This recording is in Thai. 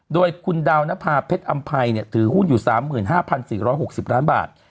โดยคุณดาวนภาเพชรอำภัยถือหุ้นอยู่๓๕๔๖๐ล้านบาท